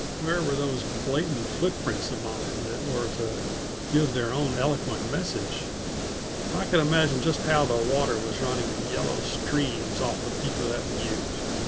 Where were those blatant footprints of mine that were to give their own eloquent message? I could imagine just how the water was running in yellow streams off the peak of that butte.